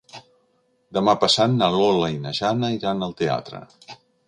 Demà passat na Lola i na Jana iran al teatre.